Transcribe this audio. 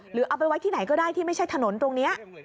หรือเอาไปไว้ที่ไหนก็ได้ที่ไม่ใช่ถนนตรงนี้